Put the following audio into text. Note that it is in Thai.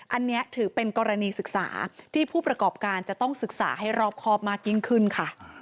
อันนี้ถือเป็นกรณีศึกษาที่ผู้ประกอบการจะต้องศึกษาให้รอบครอบมากยิ่งขึ้นค่ะ